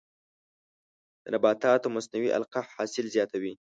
د نباتاتو مصنوعي القاح حاصل زیاتوي.